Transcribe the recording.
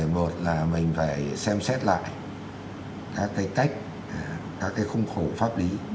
một là mình phải xem xét lại các cái cách các cái khung khổ pháp lý